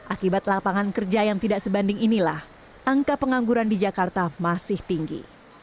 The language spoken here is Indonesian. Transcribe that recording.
akibat lapangan kerja yang tidak sebanding inilah angka pengangguran di jakarta masih tinggi